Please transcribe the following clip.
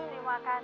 terima kasih ya nak